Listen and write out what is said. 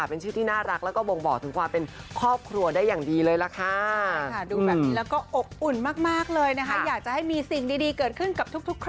เป็นชื่อที่น่ารักแล้วก็บ่งบอกถึงความเป็นครอบครัวได้อย่างดีเลยล่ะค่ะ